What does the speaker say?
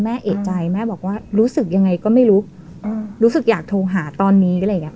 แม่เอกใจแม่บอกว่ารู้สึกยังไงก็ไม่รู้รู้สึกอยากโทรหาตอนนี้อะไรอย่างเงี้